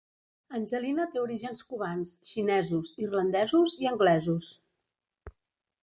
Angelina té orígens cubans, xinesos, irlandesos i anglesos.